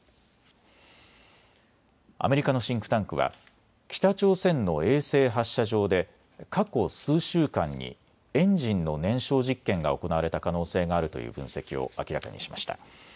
アメリカのシンクタンクは北朝鮮の衛星発射場で過去数週間にエンジンの燃焼実験が行われた可能性があるという分析を明らかにしました。